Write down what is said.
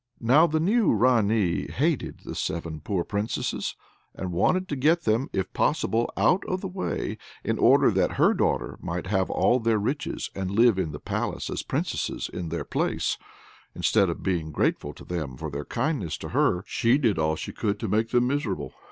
Now the new Ranee hated the seven poor Princesses, and wanted to get them, if possible, out of the way, in order that her daughter might have all their riches, and live in the palace as Princess in their place; and instead of being grateful to them for their kindness to her, she did all she could to make them miserable.